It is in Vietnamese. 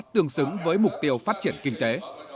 tương xứng với mục tiêu phát triển kinh tế